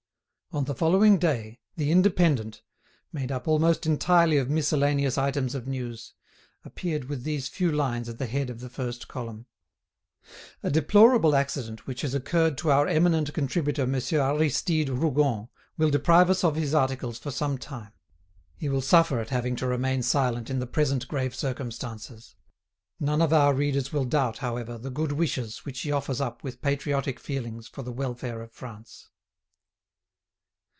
On the following day the "Indépendant," made up almost entirely of miscellaneous items of news, appeared with these few lines at the head of the first column: "A deplorable accident which has occurred to our eminent contributor Monsieur Aristide Rougon will deprive us of his articles for some time. He will suffer at having to remain silent in the present grave circumstances. None of our readers will doubt, however, the good wishes which he offers up with patriotic feelings for the welfare of France."